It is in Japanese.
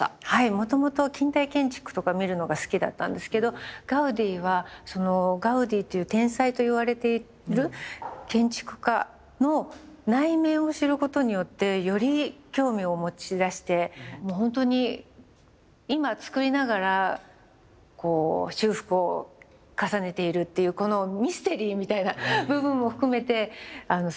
もともと近代建築とか見るのが好きだったんですけどガウディはそのガウディという天才といわれている建築家の内面を知ることによってより興味を持ちだしてもうほんとに今造りながらこう修復を重ねているっていうこのミステリーみたいな部分も含めてあのすごく興味があります。